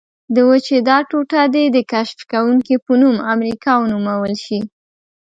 د وچې دا ټوټه دې د کشف کوونکي په نوم امریکا ونومول شي.